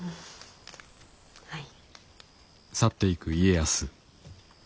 はい。